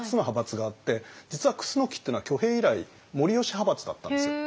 実は楠木っていうのは挙兵以来護良派閥だったんですよ。